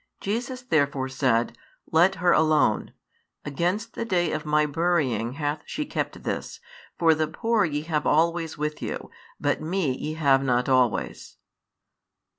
Jesus therefore said, Let her alone: against the day of My burying hath she kept this. For the poor ye have always with you; but Me ye have not always.